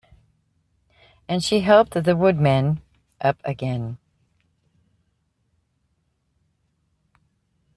And she helped the Woodman up again.